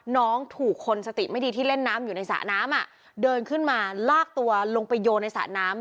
น้องถูกคนสติไม่ดีที่เล่นน้ำอยู่ในสระน้ำอ่ะเดินขึ้นมาลากตัวลงไปโยนในสระน้ำ